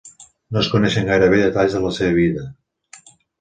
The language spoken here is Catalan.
No es coneixen gairebé detalls de la seva vida.